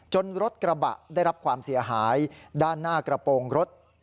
รถกระบะได้รับความเสียหายด้านหน้ากระโปรงรถ